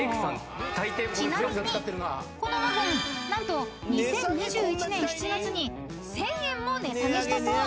［ちなみにこのワゴン何と２０２１年７月に１，０００円も値下げしたそう］